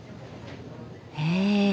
へえ！